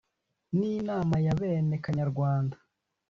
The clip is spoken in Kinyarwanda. n'imana yabene kanyarwanda